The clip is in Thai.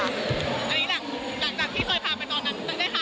อันนี้หลังจากที่เคยพาไปตอนนั้นเลยค่ะ